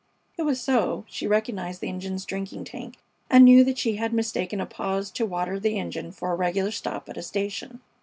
It was so she recognized the engine's drinking tank, and knew that she had mistaken a pause to water the engine for a regular stop at a station.